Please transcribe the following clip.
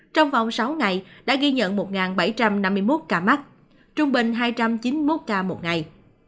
trong vòng sáu ngày đã ghi nhận một bảy trăm năm mươi một ca mắc trung bình hai trăm chín mươi một ca một ngày